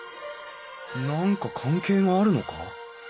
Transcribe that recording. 何か関係があるのか？